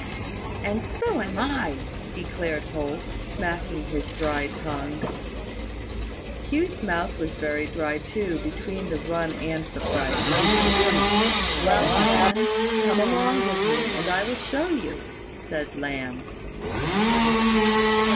"And so am I," declared Holt, smacking his dry tongue. Hugh's mouth was very dry too, between the run and the fright. "Well, then, come along with me, and I will show you," said Lamb.